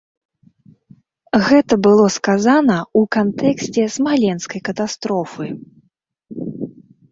Гэта было сказана ў кантэксце смаленскай катастрофы.